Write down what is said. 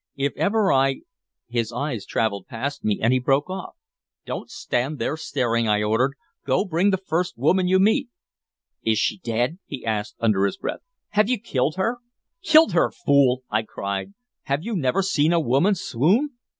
"If ever I" His eyes traveled past me, and he broke off. "Don't stand there staring," I ordered. "Go bring the first woman you meet." "Is she dead?" he asked under his breath. "Have you killed her?" "Killed her, fool!" I cried. "Have you never seen a woman swoon?"